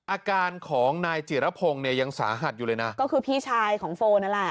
อาการของนายจิรพงศ์เนี่ยยังสาหัสอยู่เลยนะก็คือพี่ชายของโฟนนั่นแหละ